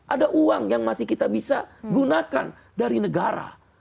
ada uang yang masih kita bisa gunakan dari negara